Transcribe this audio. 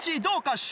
どうか？